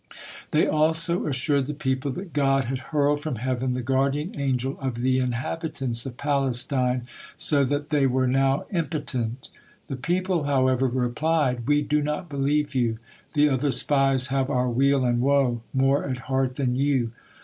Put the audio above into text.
They also assured the people that God had hurled from heaven the guardian angel of the inhabitants of Palestine, so that they were now impotent. The people, however, replied: "We do not believe you; the other spies have our weal and woe more at heart than you."